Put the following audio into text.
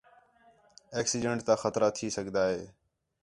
ایکسیڈینٹ تا خطرہ تھی سڳدا ہِے